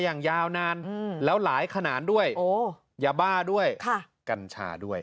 อย่างยาวนานอืมแล้วหลายขนานด้วยโอ้ยอย่าบ้าด้วยค่ะกัญชาด้วย